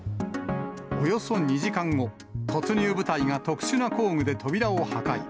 およそ２時間後、突入部隊が特殊な工具で扉を破壊。